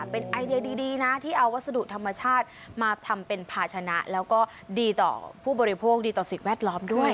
เป็นไอเดียดีนะที่เอาวัสดุธรรมชาติมาทำเป็นภาชนะแล้วก็ดีต่อผู้บริโภคดีต่อสิ่งแวดล้อมด้วย